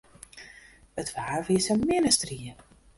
It waar wie sa min as strie.